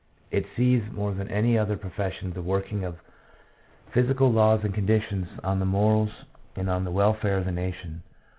It sees more than any other profession the working of physical laws and conditions on the morals and on the welfare of the nation